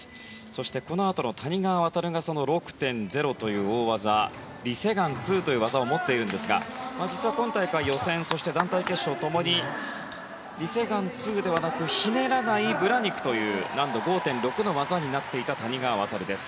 そして、このあとの谷川航が６．０という大技リ・セグァン２という技を持っているんですが実は今大会予選そして団体決勝ともにリ・セグァン２ではなくひねらないブラニクという難度５．６の技になっていた谷川航です。